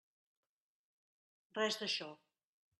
Res d'això.